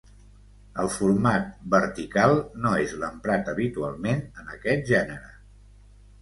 El format, vertical, no és l'emprat habitualment en aquest gènere.